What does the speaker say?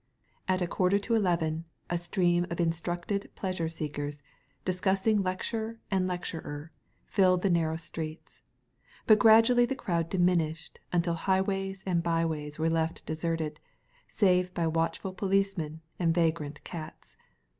At a quarter to eleven, a stream of instructed pleasure seekers, discussing lec ture and lecturer, filled the narrow streets ; but gradually the crowd diminished until highways and byways were left deserted, save by watchful police men and vagrant cats.